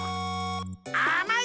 あまい！